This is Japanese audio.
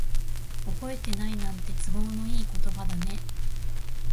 覚えてないなんて、都合のいい言葉だね。